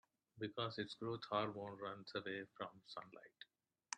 Because its growth hormone runs away from sunlight.